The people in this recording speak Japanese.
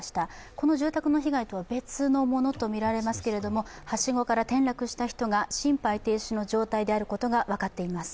この住宅の被害とは別のものとみられますがはしごから転落した人が心肺停止の状態であることが分かっています。